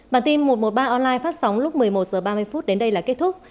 bản tin một trăm một mươi ba online phát sóng lúc một mươi một h ba mươi đến đây là kết thúc